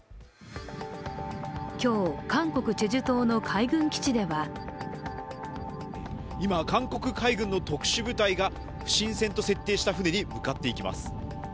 今日、韓国チェジュ島の海軍基地では今、韓国海軍の特殊部隊が不審船と設定した船に向かっていきます。